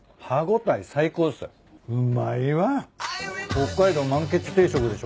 北海道満喫定食でしょ